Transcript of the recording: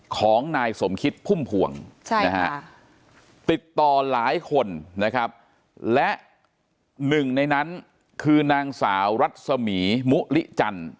ของนายสมคิดพุ่มพวงติดต่อหลายคนนะครับและหนึ่งในนั้นคือนางสาวรัศมีมุลิจันทร์